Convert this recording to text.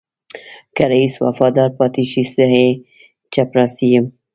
که رئيس وفادار پاتې شي زه يې چپړاسی یم.